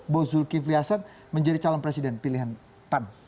bahwa zulkifli hasan menjadi calon presiden pilihan pan